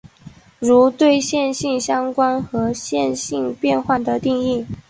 如对线性相关和线性变换的定义。